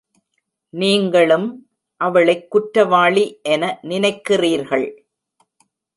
நீங்களும், அவளைக் குற்றவாளி என நினைக்கிறீர்கள்!